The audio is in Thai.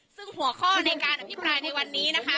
ซึ่งหัวข้อในการอภิปรายในวันนี้นะคะ